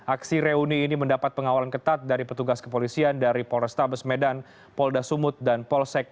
aksi reuni ini mendapat pengawalan ketat dari petugas kepolisian dari polrestabes medan polda sumut dan polsek